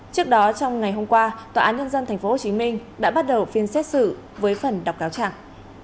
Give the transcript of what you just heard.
trước đó trong ngày hôm qua tòa án nhân dân tp hcm đã bắt đầu phiên xét xử với phần đọc cáo trạng